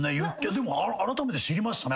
でもあらためて知りましたね。